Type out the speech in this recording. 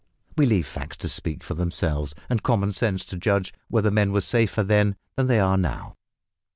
We leave facts to speak for themselves, and common sense to judge whether men were safer then than they are now.